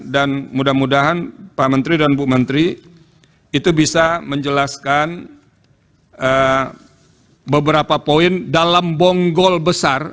dan mudah mudahan pak menteri dan bu menteri itu bisa menjelaskan beberapa poin dalam bonggol besar